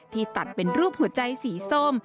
ตัดเป็นรูปหัวใจสีส้ม